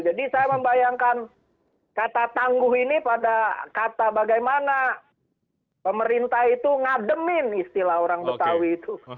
jadi saya membayangkan kata tangguh ini pada kata bagaimana pemerintah itu ngademin istilah orang betawi itu